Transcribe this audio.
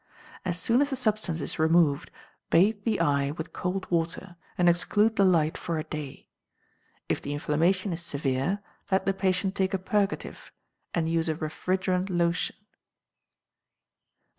As soon as the substance is removed, bathe the eye with cold water, and exclude the light for a day. If the inflammation is severe, let the patient take a purgative, and use a refrigerant lotion. 1321.